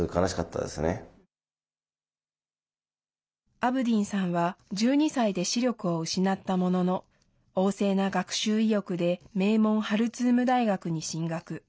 アブディンさんは１２歳で視力を失ったものの旺盛な学習意欲で名門ハルツーム大学に進学。